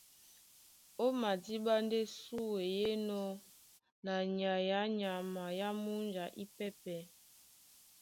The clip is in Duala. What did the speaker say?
Ó madíɓá ndé súe í enɔ́ na nyay á nyama a múnja ípɛ́pɛ̄.